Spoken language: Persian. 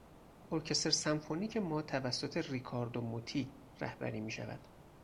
ارکستر سمفونیک ما توسط ریکاردو موتی رهبری میشود.